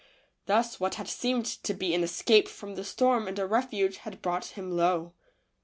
Thus what had seemed to be an escape from the storm and a refuge had brought him low.